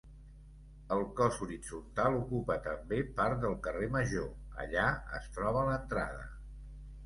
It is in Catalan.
El cos horitzontal ocupa també part del Carrer Major, allà es troba l'entrada.